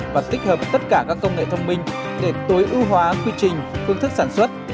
và tích hợp tất cả các công nghệ thông minh để tối ưu hóa quy trình phương thức sản xuất